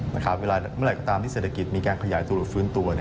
เมื่อไหร่ก็ตามที่เศรษฐกิจมีการขยายตัวหรือฟื้นตัว